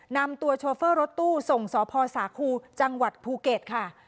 นำตัวโชเฟอร์รถตู้ส่งสพสาคูจังหวัดภูเก็ตค่ะ